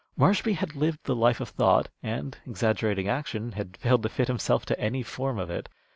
Marshby had lived the life of thought, and, exaggerating action, had failed to fit himself to any form of it.